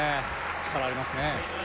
力ありますね